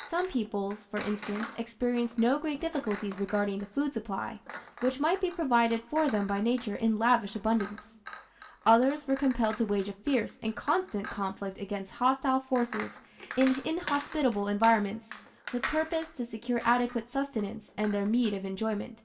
Some peoples, for instance, experienced no great difficulties regarding the food supply, which might be provided for them by nature in lavish abundance; others were compelled to wage a fierce and constant conflict against hostile forces in inhospitable environments with purpose to secure adequate sustenance and their meed of enjoyment.